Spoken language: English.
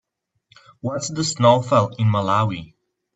What's the snowfall in Malawi?